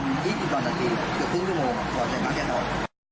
ก็ใช้เวลาประมาณ๒๐๒๕นาทีเกือบครึ่งชั่วโมงขวาจากนั้นกันออก